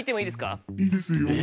いいですよ。